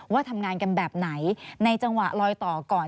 ว่าทำงานกันแบบไหนในจังหวะลอยต่อก่อน